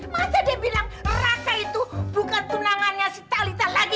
masa dia bilang rasa itu bukan tunangannya si talita lagi